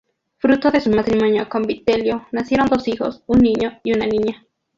Fruto de su matrimonio con Vitelio nacieron dos hijos, un niño y una niña.